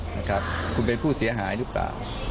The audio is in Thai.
นะครับคุณเป็นผู้เสียหายหรือเปล่า